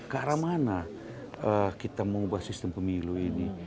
karena mana kita mengubah sistem pemilu ini